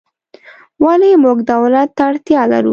ولې موږ دولت ته اړتیا لرو؟